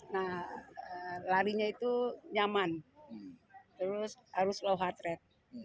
nah larinya itu nyaman terus harus low heart rate